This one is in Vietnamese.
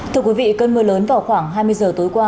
thưa quý vị cơn mưa lớn vào khoảng hai mươi giờ tối qua